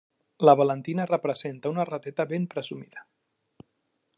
La Valentina representa una rateta ben presumida.